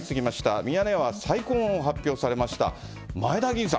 ミヤネ屋は、再婚を発表されました、前田吟さん。